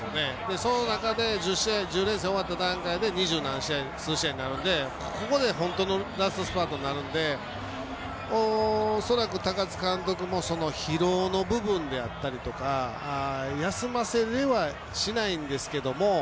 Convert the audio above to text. その中で１０連戦終わった段階で残りが２０数試合になるのでここで本当のラストスパートになるので恐らく高津監督も疲労の部分であったりとか休ませられはしないですけれども。